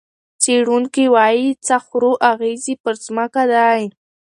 څېړونکي وايي، څه خورو، اغېز یې پر ځمکه دی.